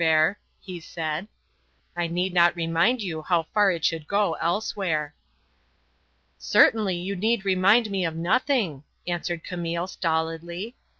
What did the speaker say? Bert," he said. "I need not remind you how far it should go elsewhere." "Certainly, you need remind me of nothing," answered Camille, stolidly.